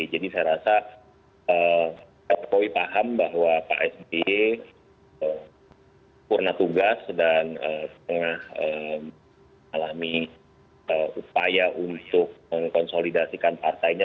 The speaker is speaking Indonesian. jadi saya rasa jokowi paham bahwa pak sby purna tugas dan tengah alami upaya untuk mengkonsolidasikan partainya